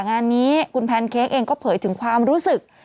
งานนี้คุณแพนเค้กเองก็เผยถึงความรู้สึก